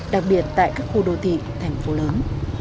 đặc biệt tại các khu đô thị thành phố lớn